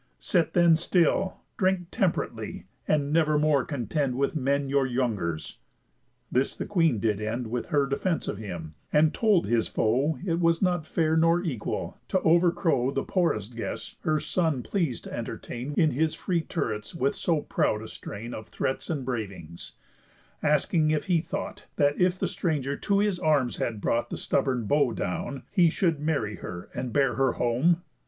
Sit, then, still, Drink temp'rately, and never more contend With men your youngers." This the Queen did end With her defence of him, and told his foe It was not fair nor equal t' overcrow The poorest guest her son pleas'd t' entertain In his free turrets with so proud a strain Of threats and bravings; asking if he thought, That if the stranger to his arms had brought The stubborn bow down, he should marry her, And bear her home?